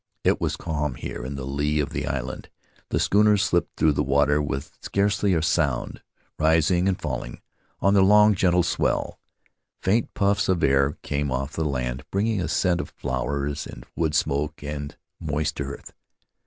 It was calm, here in the lee of the island; the schooner slipped through the water with scarcely a sound, rising and falling on the long gentle swell. Faint puffs of air came off the land, bringing a scent of flowers and wood smoke and moist earth.